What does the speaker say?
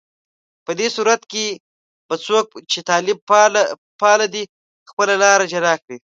په دې صورت کې به څوک چې طالب پاله دي، خپله لاره جلا کړي